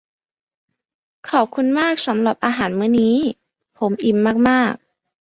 ขอบคุณมากสำหรับอาหารมื้อนี้ ผมอิ่มมาก ๆ